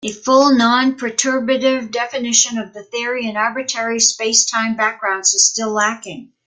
A full non-perturbative definition of the theory in arbitrary space-time backgrounds is still lacking.